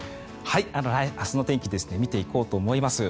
明日の天気見ていこうと思います。